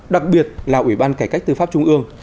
đặc biệt là ủy ban cải cách tư pháp trung ương